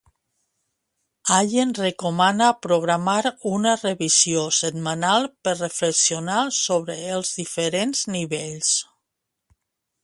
Allen recomana programar una revisió setmanal per reflexionar sobre els diferents nivells.